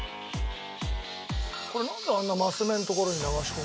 これなんであんなマス目のところに流し込むんだ？